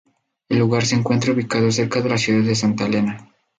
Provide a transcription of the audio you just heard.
El lugar se encuentra ubicado cerca de la ciudad de Santa Elena.